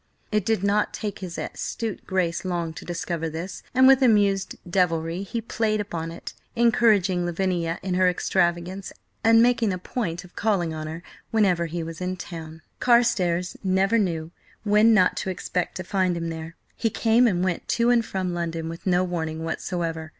It did not take his astute Grace long to discover this, and with amused devilry he played upon it, encouraging Lavinia in her extravagance, and making a point of calling on her whenever he was in town. Carstares never knew when not to expect to find him there; he came and went to and from London with no warning whatsoever.